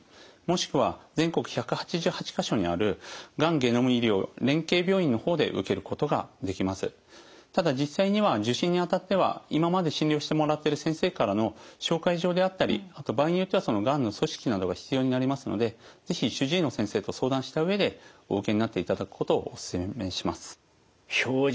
現在ではただ実際には受診にあたっては今まで診療してもらってる先生からの紹介状であったりあと場合によってはがんの組織などが必要になりますので是非主治医の先生と相談した上でお受けになっていただくことをお勧めします。